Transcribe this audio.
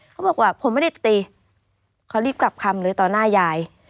เขาบอกว่าผมไม่ได้ตีเขารีบกลับคำเลยต่อหน้ายาย